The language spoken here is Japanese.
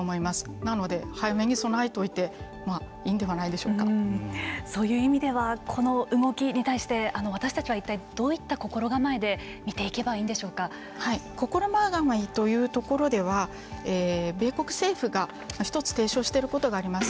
なので早目に備えておいてそういう意味ではこの動きに対して私たちは一体どういった心構えで心構えというところでは米国政府が提唱していることがあります。